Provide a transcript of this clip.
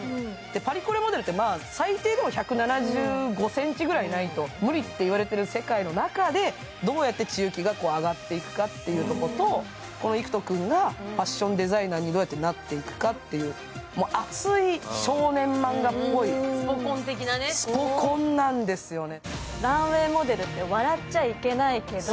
パリコレモデルでは最低でも１７５ｃｍくらいないと無理って言われている世界の中でどうやって千雪が上がっていくかというところと育人君がファッションデザイナーにどうやってなっていくかという熱い少年マンガっぽいスポ根なんですよね。